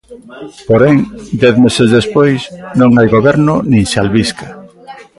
Porén, dez meses despois, non hai goberno nin se albisca.